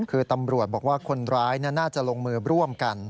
คือตำรวจบอกว่าคนร้ายน่าจะลงมือร่วมกัน